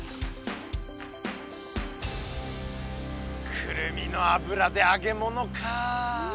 クルミの油で揚げ物かいいね。